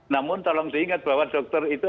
namun tolong diingat bahwa dokter itu